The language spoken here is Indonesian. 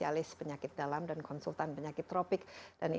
ada yang sudah meny predi